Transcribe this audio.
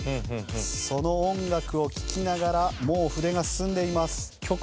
その音楽を聴きながらもう筆が進んでいます。